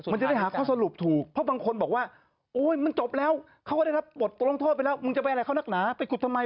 มันจะได้หาข้อสรุปถูกเพราะบางคนบอกว่าโอ๊ยมันจบแล้วเขาก็ได้รับบทลงโทษไปแล้วมึงจะไปอะไรเขานักหนาไปขุดทำไม